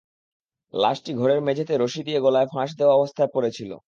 লাশটি ঘরের মেঝেতে রশি দিয়ে গলায় ফাঁস দেওয়া অবস্থায় পড়ে ছিল।